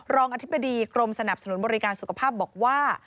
รองอธิบดีกรมสนับสนุนบริการสุขภาพบอกว่า